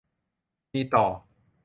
มีต่อ